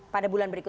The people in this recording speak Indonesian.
pada bulan berikutnya